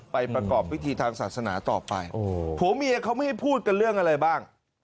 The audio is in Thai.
ประกอบพิธีทางศาสนาต่อไปผัวเมียเขาไม่ให้พูดกันเรื่องอะไรบ้าง